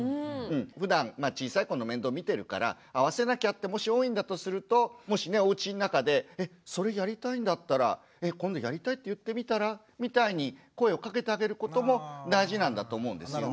ふだん小さい子の面倒見てるから合わせなきゃってもし多いんだとするともしねおうちの中で「えっそれやりたいんだったら今度やりたいって言ってみたら」みたいに声をかけてあげることも大事なんだと思うんですよね。